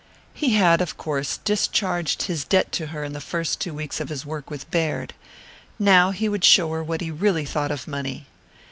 He had, of course, discharged his debt to her in the first two weeks of his work with Baird. Now he would show her what he really thought of money.